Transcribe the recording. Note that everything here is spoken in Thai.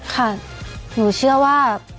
ค่ะหนูเชื่อว่า